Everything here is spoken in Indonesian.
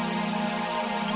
ibu tolong bu